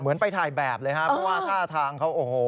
ไปถ่ายแบบเลยครับเพราะว่าท่าทางเขาโอ้โห